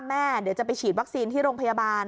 เดี๋ยวจะไปฉีดวัคซีนที่โรงพยาบาล